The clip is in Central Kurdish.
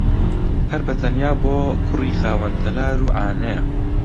هەر بەتەنیا بۆ کوڕی خاوەن تەلار و عانەیە